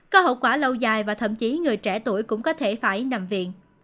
có hậu quả lâu dài và thậm chí người trẻ tuổi cũng có thể phải nằm viện